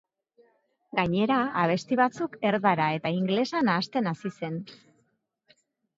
Gainera, abesti batzuk erdara eta ingelesa nahasten hasi zen.